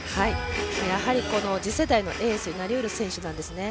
やはり次世代のエースになりうる選手なんですね。